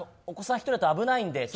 お子さん１人だと危ないので。